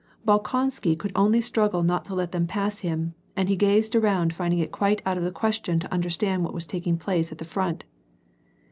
Bolkonsky could only struggle not to let them pass him, and he gazed around finding it quite out of the question to understand what was taking place at the front.